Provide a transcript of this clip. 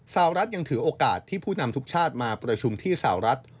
สาวรัฐยังถือโอกาสที่ผู้นำทุกชาติมาประชุมที่สาวรัฐ